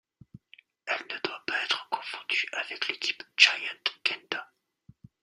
Elle ne doit pas être confondue avec l'équipe Giant Kenda.